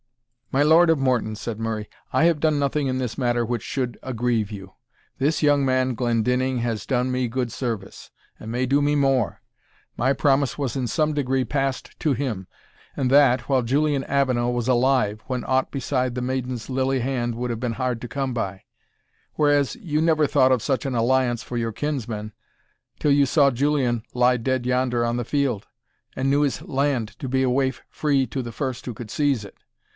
"My Lord of Morton," said Murray, "I have done nothing in this matter which should aggrieve you. This young man Glendinning has done me good service, and may do me more. My promise was in some degree passed to him, and that while Julian Avenel was alive, when aught beside the maiden's lily hand would have been hard to come by; whereas, you never thought of such an alliance for your kinsman, till you saw Julian lie dead yonder on the field, and knew his land to be a waif free to the first who could seize it.